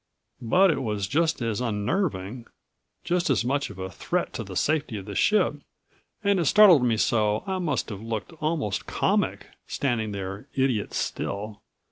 But it was just as unnerving, just as much of a threat to the safety of the ship and it startled me so I must have looked almost comic, standing there idiot still.